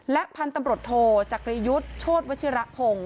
และพันธุ์ตำรวจโทจักรียุทธ์โชธวัชิระพงศ์